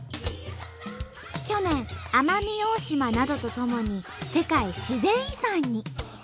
去年奄美大島などとともに世界自然遺産に。